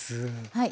はい。